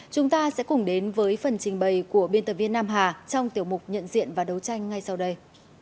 chúng ta sẽ cùng đến với phần trình bày của biên tập viên nam hà trong tiểu mục nhận diện và đấu tranh ngay sau đây